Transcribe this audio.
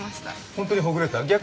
本当にほぐれた？